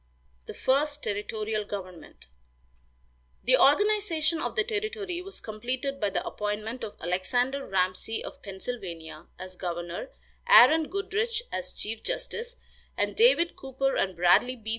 THE FIRST TERRITORIAL GOVERNMENT. The organization of the territory was completed by the appointment of Alexander Ramsey of Pennsylvania as governor, Aaron Goodrich as chief justice, and David Cooper and Bradley B.